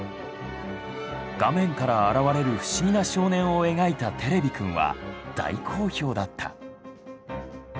画面から現れる不思議な少年を描いた「テレビくん」は大好評だった。